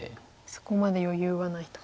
そこまで余裕はないと。